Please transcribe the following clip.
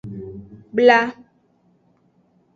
Bla.